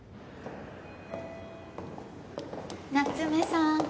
夏目さん！